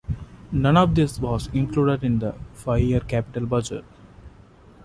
None of this was included in the five-year capital budget.